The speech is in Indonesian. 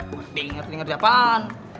gue udah ngerti ngerti kerja apaan